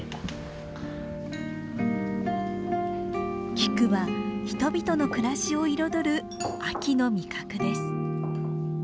菊は人々の暮らしを彩る秋の味覚です。